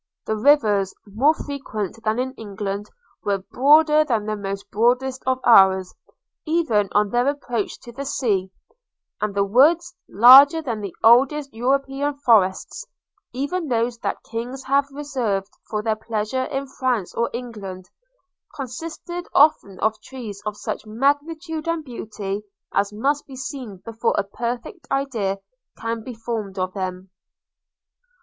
The rivers, more frequent than in England, were broader than the most boasted of ours, even on their approach to the sea; and the woods, larger than the oldest European forests, even those that Kings have reserved for their pleasure in France or England, consisted often of trees of such magnitude and beauty as must be seen before a perfect idea can be formed of them.